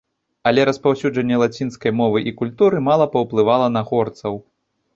Але распаўсюджанне лацінскай мовы і культуры мала паўплывала на горцаў.